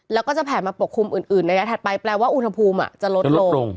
แล้วก็จะแผ่มาปกคลุมอื่นในระยะถัดไปแปลว่าอุณหภูมิจะลดลง